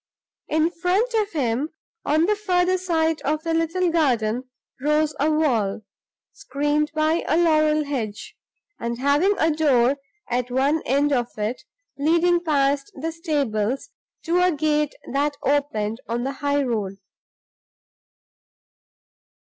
In front of him, on the further side of the little garden, rose a wall, screened by a laurel hedge, and having a door at one end of it, leading past the stables to a gate that opened on the high road.